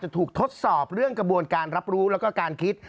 ถูกทดสอบเรื่องกระบวนการรับรู้แล้วก็การคิด